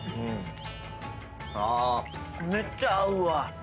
めっちゃ合うわ。